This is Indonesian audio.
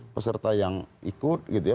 peserta yang ikut gitu ya